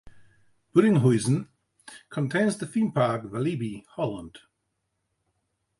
Biddinghuizen contains the theme park Walibi Holland.